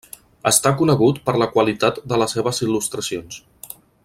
Està conegut per la qualitat de les seves il·lustracions.